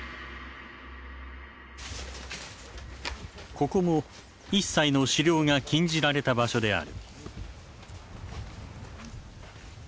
ここも一切の狩猟が禁じられた場所である。